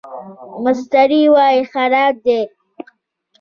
مستري وویل خراب دی.